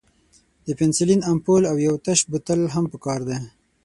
د پنسلین امپول او یو تش بوتل هم پکار دی.